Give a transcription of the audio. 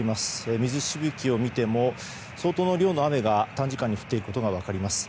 水しぶきを見ても相当の量の雨が短時間に降っていることが分かります。